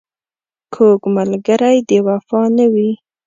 کوږ ملګری د وفا نه وي